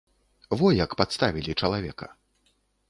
Во як падставілі чалавека.